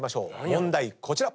問題こちら！